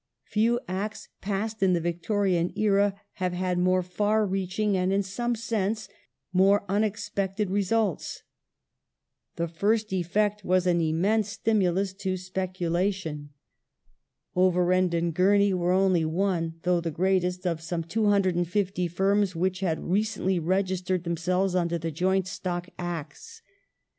Few Acts passed in the Victorian era have had more far reaching and in some sense more unexpected results. The first effect was an immense stimulus to speculation. Overend & Gumey 1867] FINANCIAL CRISIS OF 1866 343 were only one — though the greatest — of some 250 firms which had recently registered themselves under the Joint Stock Acts.